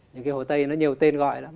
những cái hồ tây nó nhiều tên gọi lắm